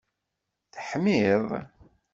Teḥmiḍ?